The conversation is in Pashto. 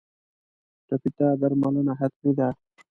ټپي ته درملنه حتمي ده.